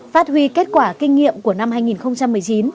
phát huy kết quả kinh nghiệm của năm hai nghìn một mươi chín